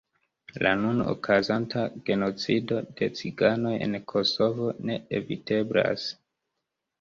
La nun okazanta genocido de ciganoj en Kosovo ne eviteblas.